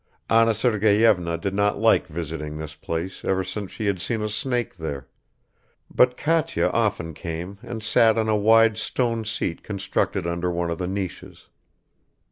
Anna Sergeyevna did not like visiting this place ever since she had seen a snake there; but Katya often came and sat on a wide stone seat constructed under one of the niches.